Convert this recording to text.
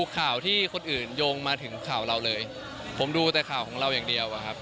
ข่าวเราเลยผมดูแต่ข่าวของเราอย่างเดียว